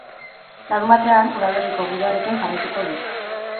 Larunbatean, udaberriko giroarekin jarraituko du.